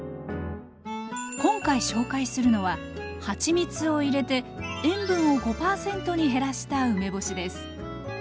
今回紹介するのははちみつを入れて塩分を５％に減らした梅干しです。